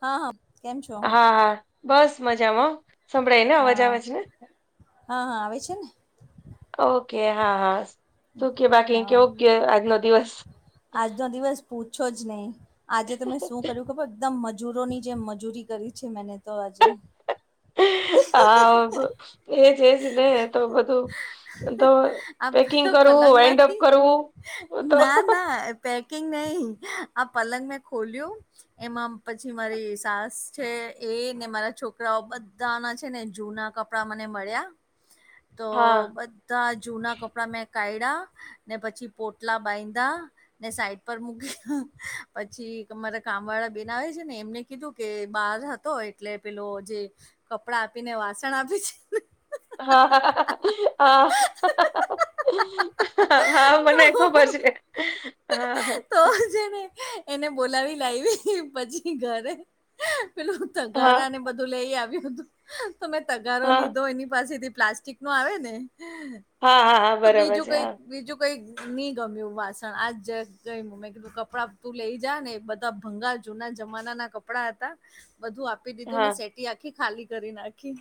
હા હા કેમ છો હા હા બસ મજામાં સંભળાય ને અવાજ આવે હા છે ને હા હા આવે છે ને. ઓકે હા હા સુ કે બાકી હા કેવો કે આજનો દિવસ આજનો દિવસ પૂછો જ નહીં આજે તમે શું કર્યું ખબર એકદમ મજા મજૂરોની જેમ મજૂરી કરી છે મે તો આજે. હા એજ ને તો બધું તો પેકિંગ આ કરવું વાઇન્ડઅપ પલંગમાંથી કરવું તો ના ના પેકિંગ નહી આ પલંગ મેં ખોલ્યું એમાં પછી મારી સાસ છે એ ને મારા છોકરાઓ બધા ના છેને જૂના કપડા કપડા મને મળ્યા તો હા બધા જ જુના કપડાં મેં કાઢ્યા ને પછી પોટલા બાંધ્યા. ને સાઈડ પર મૂકી પછી અમારા કામ વાળા બેન આવે છે ને એમને કીધું કે બહાર હતો એટલે પેલો જે કપડા આપીને વાસણ આપે છેને હા હા હા. હા તો મને ખબર છે. તો છે ને એને બોલાવી લાવી પછી ઘરે પેલું હા તગારા ને બધું લઈ આવ્યું હતું તો મેં તગારો હા લીધો એની પાસેથી પ્લાસ્ટિક નું આવે ને હા હા હા. તો બરાબર બીજું છે કઈક બીજું કઈ નહી ગમ્યું વાસણ આજ ગમ્યું મેં કીધું કપડાં તું લઈ જા ને. ભંગાર જૂના જમાના ના કપડા હતા બધું આપી દીધું ને હા સેટી આખી ખાલી કરી નાખી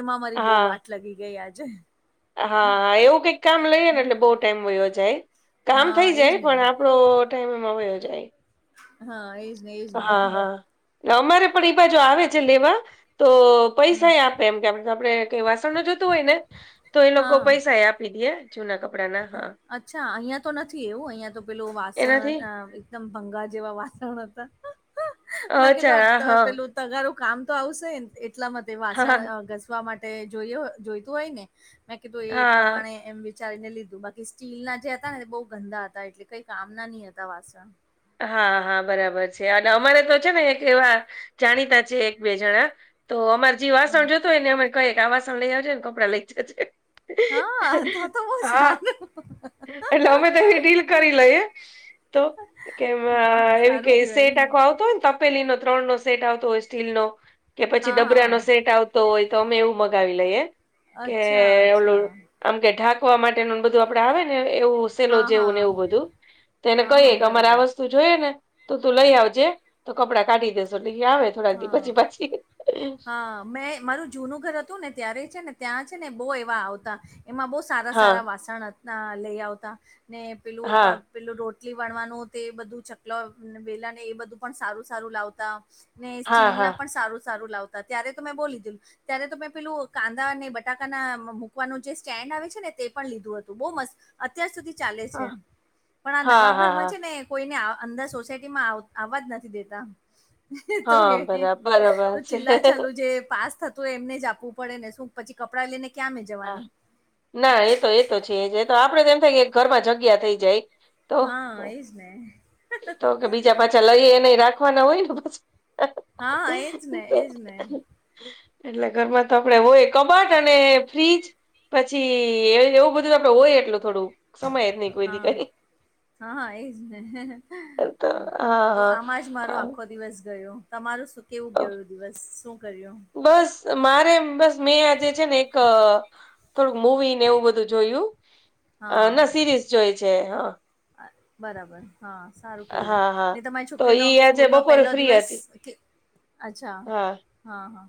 એમાં મારી બહુ હા વાટ લગી ગઈ આજે. હા એવું કઈક કામ લઈએ ને એટલે બહુ ટાઈમ વહ્યું જાય કામ હા થઈ એજ જાય ને પણ આપણો ટાઈમ એમાં વયો જાય હા એજ ને એજ ને. હા હા. અમારે બાજુ આવે છે લેવા તો હા પૈસા એમ કે આપડે કઈ વાસણ ન જોઈતું હોય ને તો એ લોકો હા પૈસા એ આપી દે જૂના કપડા અચ્છા અહિયાં તો નથી એવું અહિયા તો પેલું એનાથી વાસણ એકદમ ભંગાર જેવા વાસણ હતા મેં કીધું અચ્છા હા પેલું તગારું કામ તો આવશેને એટલા માટે હા હા વાસણ ઘસવા માટે જોઈતું હોય ને. મેં કીધું એ હા પ્રમાણે એમ વિચારીને લીધું બાકી સ્ટીલ ના જે હતા ને બહુ ગંદા હતા એટલે કઈ કામ ના નઈ હતા વાસણ. હા હા બરાબર છે અને અમારે તો છે ને એક એવા જાણીતા છે એક બે જણા તો અમાર જે વાસણ હા જોઇતા હોયને અમે કઈએ આ વાસણ લઈ આવજ ને કપડા લઈ જજે. હા તો તો બહુ હા સારું. એટલે અમે તો એની ડીલ કરી લઈએ તો વાહ સારું કેવાય [unintelligible] થેલી નો ત્રણ નો સેટ આવતો હોય સ્ટીલ નો કે પછી હા હા હા ડબલાનો સેટ તો એતો અમે એવું મંગાવી લઈએ કે અચ્છા અચ્છા આમ કે ઢાંકવા માટેનુંને બધું આપડે આવે ને એવું હસેલો હા હા જેવું ને એવું બધું તો એને હા હા કહીએ કે અમારે આ બરાબર વસ્તુ જોઈએ ને તો તું લઈ આવજે. તો કપડાં કાઢી દેસો આવે થોડાક હા પછી પાછી હા મે મારું જૂનું ઘર હતું ને ત્યારે છે ને ત્યાં છે ને બહુ એવા આવતા એમાં બહુ સારા હા સારા વાસણ ના લઈ આવતા ને પેલું હા પેલું રોટલી વણવાનું તે બધું ચકલા વેલા ને એ બધું પણ સારું સારું લાવતા. ને હા સ્ટીલના હા પણ સારું સારું લાવતા ત્યારે તો મેં બવ લીધું. ત્યારે તો મેં પેલું કાંદા અને બટાકાના મૂકવાનું જે સ્ટેન્ડ આવે છે ને તે પણ લીધું હતું બહુ મસ્ત હતું. અત્યાર સુધી ચાલે છે પણ આ હા નવા હા ઘરમાં હા છે ને કોઈને અંદર સોસાયટીમાં આવવા જ નથી દેતા તો હ હા બરાબર બરાબર તો છે ચિલ્લા ચાલુ જે પાસ થ તો એમને જ આપવું પડે ને શું પછી કપડાં લઈને ક્યાં મે હા જવાની ના એતો એ તો છે જ તો આપડે તોમ થાય કે ઘરમાં જગ્યા થઈ જાય તો હ તો કે બીજા પાછા લઈ એને રાખવાના હોય ને હા એજ નને એજ નને એટલે ઘરમાં તો આપડે હોય કબાટ અને ફ્રીજ પછી એ એવું બધું આપડે હોય એટલું થોડું સમય જ નહી કોઈ દી હા કરી હાા એજ ને તો હા તો હા આમાં જ મારો હા આખો દિવસ ગયો તમારું શું કેવું ગયોું દિવસ શું કર્યું બસ મારે બસ મેં આજે છે ને એક થોડુંક મવી ને એવું બધું જોયું હા ના સિરીઝ જોય છે હા બરાબર હા સારું કર્યું હા હા ને તમારી તો છોકરીનો ઈ સ્કૂલ આજે નો બપોરે પેલો ફ્રી દિવસ હતી અચ્છા હા હા હા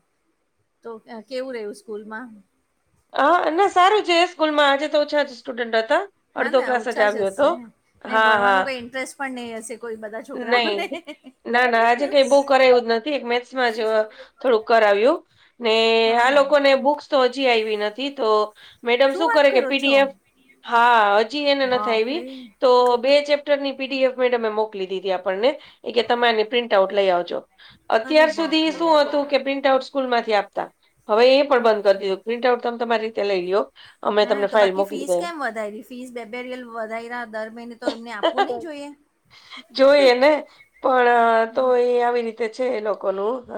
તો કેવું રહવું સ્કૂલમાં હા ના સારું છે સ્કૂલમાં આજે તો ઓછા જ સ્ટુડન્ટ હતા હે અડધો ક્લાસ ઓછા જ આવ્યો હતો હશે નઈ હા ભણવાનું હા કઈ ઇન્ટરેસ્ટ પણ નહી હશે કોઈ બધા નહી છોકરાઓને ના ના આજે કઈ બહ કરાયું જ નથી એક મેથ્સમાં જ થોડુંક કરાવ્યું ને હા આ હા લોકોને બુક્સ તો હજી આવી નથી તો મેડમ શું વાત કરે કે કરો છો પીડીએફ હા હજી એને થાય એવી બાપરે તો બે ચેપ્ટરની પીડીએફ મેડમે મોકલી દીધી આપણને એ કે તમાને પ્રિન્ટ આઉટ લઈ આવજો અરે અત્યાર સુધી બાપરે શું હતું કે પ્રિન્ટ આઉટ સ્કૂલ માંથી આપતા હવે એ પણ બંધ કરી અચ્છા દીધું પ્રિન્ટ આઉટ તમે તમારી રીતે લઈ લ લો અમે હા તમને તો ફાઇલ બાકી મોકલી ફીસ દઈ કેમ વધારી ફીસ બેબેરિયલ વધાર દર મહિને તો એમને આપવું નહી જોઈએ જોઈ ને પણ તો એ આવી રીતે છે એ લોકોનું હ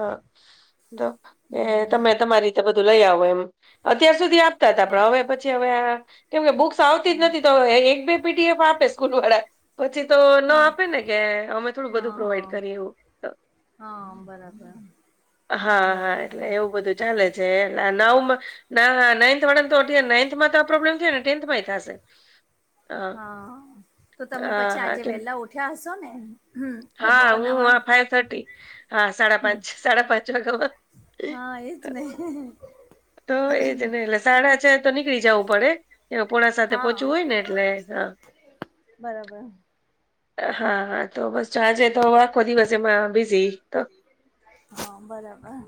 તો કે હમ, તમે તમારી બધું લઈ આવો એમ અત્યાર સુધી આપતા હતા હા પણ હવે પછી હવે કેમ કે બુક્સ આવતી જ હા નથી તો એક બે પીડીએફ આપે સ્કૂલ વાળા પછી તો હા આપેને કે અમે થોડું બધું હા પ્રોવાઈડ હા કરી હા બરાબર હા હા એટલે બરાબર એવું બધું ચાલે છે એટલે નવમાં ના હા નાઇન્થ વાળ તો નાઇથમાં તો આ પ્રોબ્લેમ થાય ટેન્થમાં થશે હા તો તમે હા પછી હા આજે કેમ વેલા ઉઠ્યા હશો ને હમ, હા ડબ્બો હું બનાવવા હ ફાઈવ થર્ટી હા સાડા હમ, પાંચ સાડા પાંચ વાગે નહી તો એજ ને એટલે સાાડા છે તો નીકળી જવું પડે એ પોણા સાથે હા પોહોંચવું હોય ને એટલે હા બરાબર હાા તો બસ આજે તો આખો દિવસ એમાં બીઝી હા બરાબર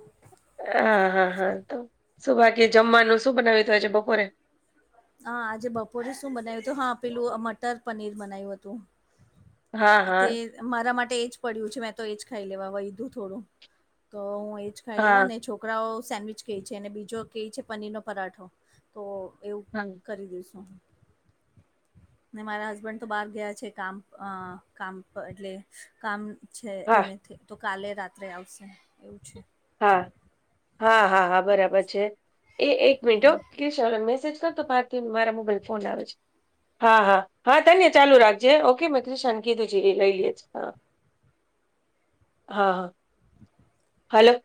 હા હા હા તો શુંભકી્ય જમવાનું શું બનાવી તો હોય છે બપોરે હા આજે બપોરે શું બનાવ્યું હતું હા પેલું મટર પનીર બનાવ્યું હતું હા હા તે મારા માટે એજ પડ્યું છે મેં તો એજ ખાઈ લેવા હોીધું થોડું તો હું એજ ખાઈ હા લેવા ને છોકરાઓ સેન્ડવીિચ કહી છે અને બીજો ક છે પનીર નો પરાઠો તો એવું હ કરી દઈશું મારા હસબન્ડ તો બહાર ગયા છે કામ કામ પર એટલે કામ છે હા એમનેથી તો કાલે રાત્રે આવશે એવું છે હા હા હા હા બરાબર છે એ એક મિનટો હ પ્ મેસેજ કર તો પારથી મારા મોબાઈલ ફોન આવે છે. હા હા હા તન્ય ચાલુ રાખજે ઓકે મેંું શાન કીધું છે એ લઈ લે છે, હા. [inaudible] હા હા. હાલો.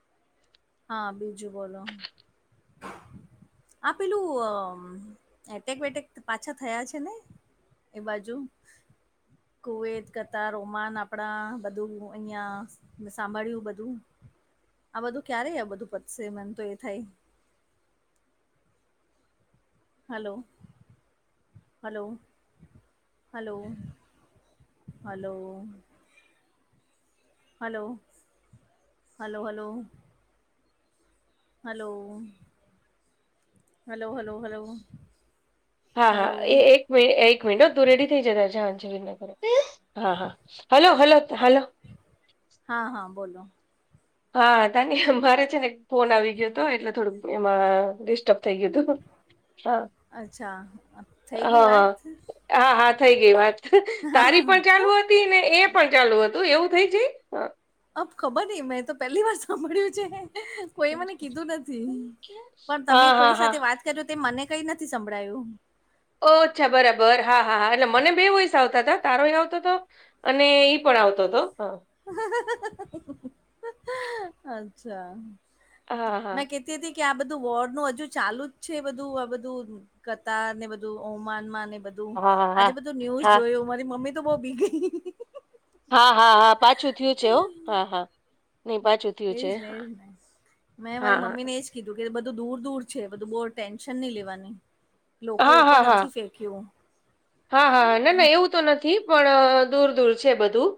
હા બીજું બોલો હું. આ પેલું એટેક બેટેક પાછા થયા છે ને. એ બાજુ. કુવત કથ રોમાન આપણા બધું અહંયા સાંભળ્યું બધું આ બધું ક્યારેય આ બધું પતશે મને તો એ થાય hello. Hello hello hello. Hello. Hello hello. Hello hello hello hello. હા હલો હા એ એક એક મિનટ હો તું રેડી થઇ જતા જજ કરે હા હા હલો હલો હલો હા હા બોલો. હા તાની મારે છે ને ફોન આવી ગયો હતો એટલે થોડુંક એમાં ડિસ્ટર્બ થઈ ગયું હતુ. અચ્છા થઈ ગઈ હા હા વાત? હા હા થઈ ગઈ વાત તારી પણ ચાલુ હતી ને એ પણ ચાલુ હતું એવું થઈ જાય અબ ખબર નહ મેં તો પહેલી વાર સાંભળ્યું છે. કોઈ હા મને કીધું નથી પણ તમે હા હા કોઈ હા સાથે વાત તે મને કઈ નથી સંભળાયું. ઓ અચ્છા બરાબર હા હા હા એટલે મને બે વયસ આવતા હતા તારો એ આવતો હતો. અને ઈ પણ આવતો હતો હ. અચ્છા હા મે હા કે. થી કે આ બધું વોડ નું હજુ ચાલુ જ છે બધું આ બધું. કત ને બધું ઓમાન માં ને બધું. હા હા આજે બધું ન્યુઝ હા જોયું મારી મમ્મી તો બહ ભીગઈ. હા હા હા પાછું થયું છે હ હા હા. નહી પાછું થયું એજ છે નહી હા એજ ન મેં મારી હા મમ્મી ને એજ કીધું કે બધું દૂર દૂર છે બધું બહુ ટેન્ન નહી લેવાની લોકો હા ઉપર હા હા નથી ફેંક્યું હા હા ના ના એવું નથી પણ દૂર દૂર છે બધું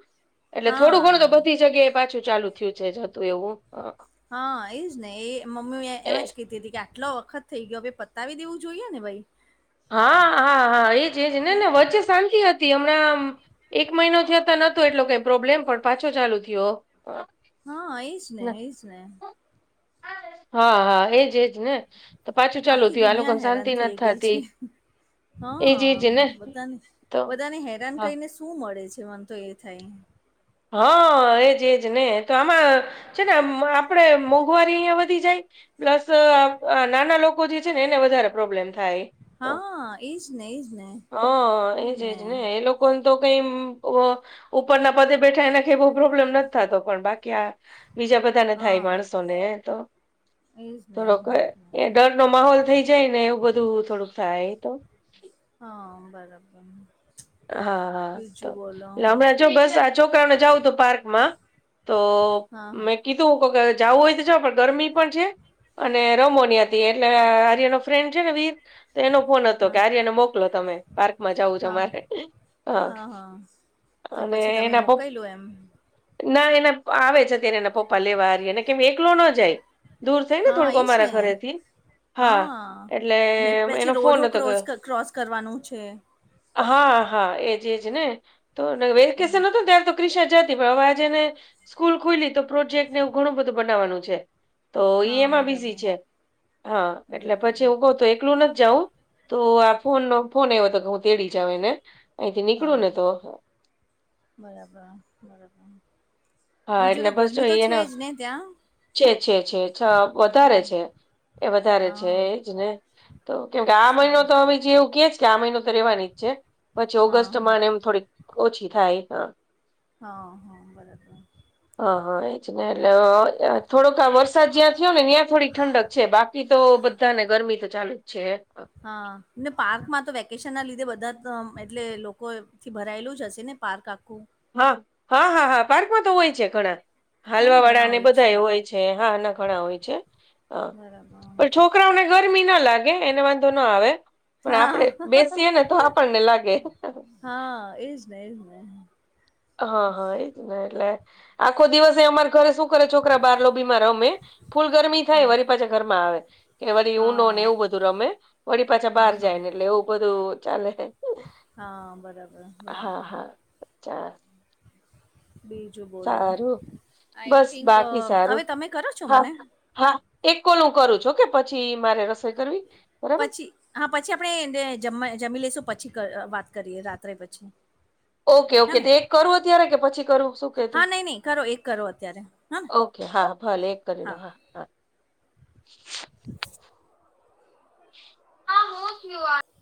એટલે થોડું ઘણું તો હા બધી જગ્યાએ પાછું ચાલુ થયું છે જ હતું એવું હા એજ ને એ મમ્મી એ, એમ જ કીતીી હતી કે આટલો વખત થઈ ગયો ભ પતાવી દેવું જોઈએ ને ભાઈ હા હા હા એજ એજ નેને વચ્ચે શાંતિ હતી. હમણાં એક મહિનો થતા નતો એટલો કઈ પ્રોબ્લેમ પણ પાછો ચાલુ થયો. અ, હા એ જ નહ ના એ જ નહી. હા હા એજ એજ ને તો પાછું ચાલુ આખી થયું આ દુનિયા લોકોને શાંતિ હેરાન ન થઈ ગઈ છે. થતી હા એજ એજ ને બધાને તો બધાને હેરાન હા કરીને શું મળે છે મને તો એ થાય હા એજ એજ ને તો આમાં છે ને આપડે મોંઘવારી અહિયાં વધી જાય. પ્લસ નાના લોકો જે છે ને એને વધારે પ્રોબ્લેમ થાય. હા, એ જ ને, એ જ ને, હા એ એજજ જ ને એ લોકો તો ક ઉપર ના પ બેઠા એને કે એવો પ્રોબ્લેમ નથી થતો પણ બાકી આ બીજા બધાને થાય હા, માણસો ને એ તો એ જ ને, થોડોક એ જ ને. ડર નો માહોલ થઈ જાય ને એવું બધું થોડુંક થાય તો હા બરાબર હા હા બીજું બોલો. તોલે હમણાં જો બસ આ છોકરાને જવું તું પાર્ક માં તો હા, હા, મેં કીધું જવું હોય તો પણ ગરમી પણ છે અને રમોની એટલે આર્યનો ફ્રેન્ડ છે ને વીર તો એનો ફોન હતો કે હા, આર્યને મોકલો તમે પાર્કમાં જાવું છે હા, મારે હા હા તો અને પછી તમે એના પપ્પ મોકઈલ લો એમ ના એના આવે છે તેના પપ્પા લેવા આર્યને કેમ એકલો ન જાય દૂર થઈ ને હા, થોડુંક એ જ અમારા ને. ઘરે થી હા ને પછી એનો રોડો ફોન હતો કે ક્રોસ ક્રોસ કરવાનું છે હા હા એજ એજ ને તો વે કેસે ન ત ક્રિષા જતી પણ હવે આજેને સ્કૂલ ખુલી તો પ્રોજેક્ટને એવું ઘણું બધું બનાવવાનું છે તો હા ઈ એમાં બરાબર બીઝી છે હા એટલે બરાબર પછી હું કહું તો એકલું નથી જવું તો આ ફોન નો ફોન એ હતો હું તેડી જાઉ એને અહીંથી નીકળું હા ને તો હા બરાબર બરાબર હા બીજું એટલે તો બસ ગરમી તો જોઈએ છે જ ને ત્યાં છે છે છે છ વધારે છે એ વધારે છે હા એજ ને તો કેમકે આ અચ્છા મહિનો તો હ જે એવું કે છે કે આ મહિનો તો રેવાની જ છે પછી હા હા ઓગસ્ટમાંને એમ થોડીક ઓછી થાય હા હા હા બરાબર હા હા એચના એટલે અવાજ આવે થોડોક આ વરસાદ જ્યાં થયો ને ત્યાં થોડી ઠંડક છે બાકી તો બધા ને ગરમી તો ચાલુ જ છે એમ હા ને પાર્કમાં તો વેકેશન ના લીધે બધા એટલે લોકોથી ભરાયેલું જ હશે ને માથાકૂટ હા હા હા હા પાર્કમાં તો હોય છે ઘણા હા ને હાલવા ઘણા વાળાને હોય બધા એ હોય છે હા ના ઘણા હોય છે હ બરાબર પણ છો છોકરાઓને ગરમી ના લાગે એને વાંધો ના આવે પણ આપણે હા બેસીએ ને તો આપણને લાગે હા એજ ને એજ ને હા હા એજ એટલે આખો દિવસે અમારે ઘરે શું કરે છોકરા બહાર લોબી માં રમે ફૂલ ગરમી થાય હા વરી પાછા ઘરમાં આવે કે વળી નો ને હા એવું બધું રમે વળી પાછા બહાર હા જાય હા ને એટલે એવું બધું ચાલે હા બરાબર બરાબર પચાસ બીજું બોલો સારું આઈ બસ થિંક બાકી હવે સારું તમે કરો છો હા મને હા એક કોલ હું કરું છું ઓ કે પછી મારે રસોઈ કરવી બરાબર પછી હા પછી આપણે જ જમી લઈશું પછી વાત કરીએ રાત્રે પછી ઓકે હે ઓકે ને તો એક કરવું અત્યારે કે પછી કરવું શું હા નહીં નહીં કરો એક કરો અત્યારે હા ને ઓકે હા ભલે એક કરી લો હા હા [inaudible] હા હું થયું આ